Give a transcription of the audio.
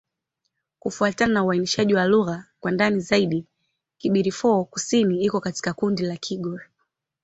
Kufuatana na uainishaji wa lugha kwa ndani zaidi, Kibirifor-Kusini iko katika kundi la Kigur.